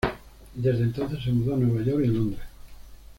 Desde entonces se mudó a Nueva York y a Londres.